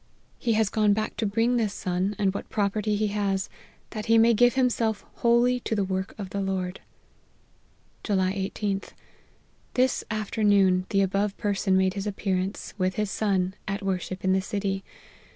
He has gone back to bring this son, 236 APPENDIX. and what property he has, that he may give him self wholly to the work of the Lord. " July 18th. This afternoon the above person made his appearance, with his son, at worship in the city.